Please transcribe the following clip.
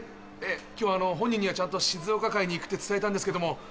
今日はあの本人にはちゃんと。に行くって伝えたんですけども。